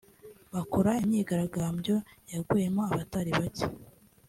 bakora imyigaragambyo yaguyemo abatari bake